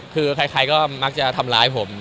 คือใครก็มักจะทำร้ายผม